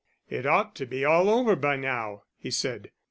"It ought to be all over by now," he said.